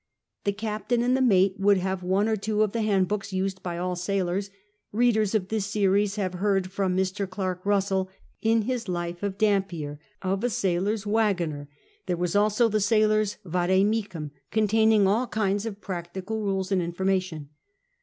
The captain and the mate would liave one or two of the handbooks used by all sailoi s ; readers of this senes liavc heal'd from Mr. Chirk JiiisscII, in his Life of Dumpier, of a sailor^s IKaggoneri there was also the sailor^s Fade Memim, containing all kinds of jimctical rules and inform ation.